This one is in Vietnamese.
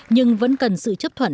nhưng vẫn cần sự chấp thuận